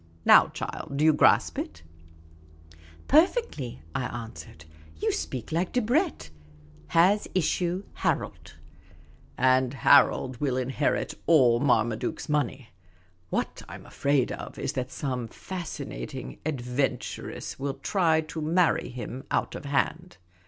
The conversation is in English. Now, child, do you grasp it ?"" Perfectly," I answered. " You speak like Debrett. Has issue, Harold." '\':'' 48 Miss Cayley's Adventures '' And Harold will inherit all Marmaduke's money. What I 'm always afraid of is that some fascinating adventuress will try to marry him out of hand.